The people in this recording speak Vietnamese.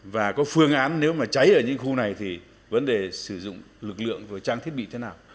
và có phương án nếu mà cháy ở những khu này thì vấn đề sử dụng lực lượng và trang thiết bị thế nào